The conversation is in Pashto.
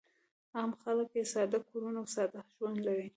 عام خلک یې ساده کورونه او ساده ژوند لري.